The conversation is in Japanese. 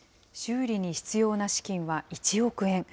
修理に必要な資金は１億円。